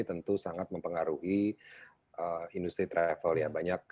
tentu sangat mempengaruhi industri travel ya